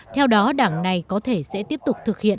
theo đó đảng này có thể sẽ tiếp tục thực hiện